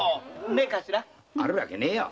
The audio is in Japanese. あるわけねぇよ。